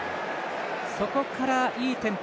そこからいいテンポ